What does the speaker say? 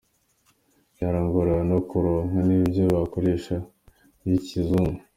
Vyarangora no kuronka n’ivyo bakoresha vy’ikizungu.